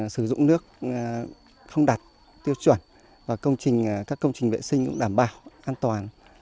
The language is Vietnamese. sử dụng nước không đặt tiêu chuẩn và các công trình vệ sinh cũng đảm bảo an toàn